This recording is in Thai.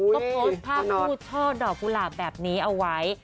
ก็โพสต์ภาพคู่ช่อดอกกุหลาบแบบนี้เอาไว้